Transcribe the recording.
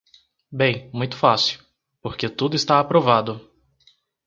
Bem, muito fácil: porque tudo está aprovado!